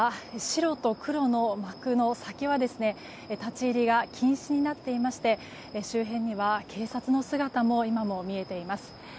白と黒の幕の先は立ち入りが禁止になっていまして周辺には警察の姿も今も見えています。